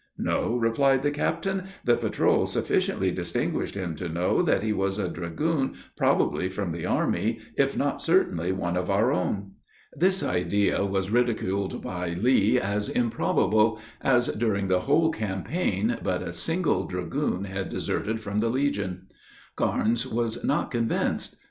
"No," replied the captain; "the patrol sufficiently distinguished him to know that he was a dragoon probably from the army, if not, certainly one of our own." This idea was ridiculed by Lee as improbable, as, during the whole campaign, but a single dragoon had deserted from the legion. Carnes was not convinced.